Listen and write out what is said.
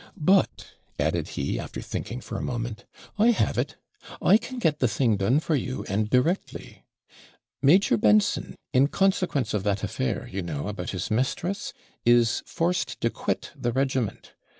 'But,' added he, after thinking for a moment, 'I have it! I can get the thing done for you, and directly. Major Benson, in consequence of that affair, you know, about his mistress, is forced to quit the regiment.